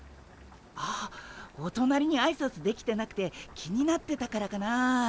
ああおとなりにあいさつできてなくて気になってたからかなあ。